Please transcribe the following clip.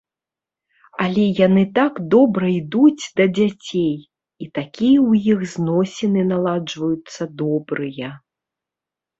Але яны так добра ідуць да дзяцей, і такія ў іх зносіны наладжваюцца добрыя.